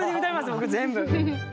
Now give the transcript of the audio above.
僕全部！